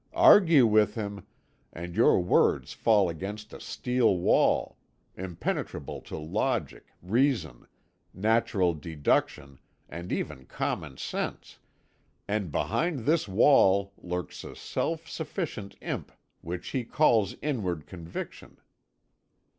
Argue with him, and your words fall against a steel wall, impenetrable to logic, reason, natural deduction, and even common sense and behind this wall lurks a self sufficient imp which he calls Inward Conviction.